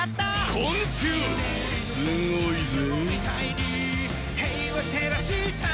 昆虫すごいぜ。